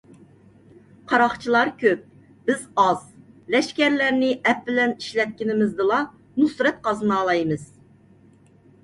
قاراقچىلار كۆپ، بىز ئاز؛ لەشكەرلەرنى ئەپ بىلەن ئىشلەتكىنىمىزدىلا نۇسرەت قازىنالايمىز.